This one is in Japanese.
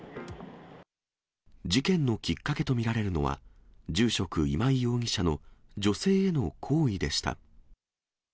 事件のきっかけと見られるのは、住職、今井容疑者の女性への好意でした。